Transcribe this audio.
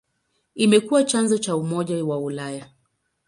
Imekuwa chanzo cha Umoja wa Ulaya.